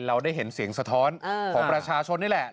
เราได้เห็นเสียงสะท้อนของประชาชนนี่แหละ